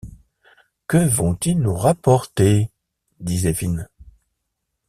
Que vont-ils nous rapporter? dit Zéphine.